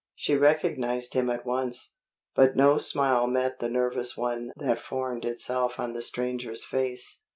She recognized him at once, but no smile met the nervous one that formed itself on the stranger's face.